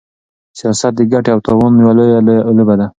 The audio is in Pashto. سياست د ګټې او تاوان يوه لويه لوبه ده.